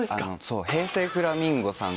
平成フラミンゴさん